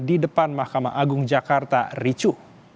di depan mahkamah agung jakarta ricu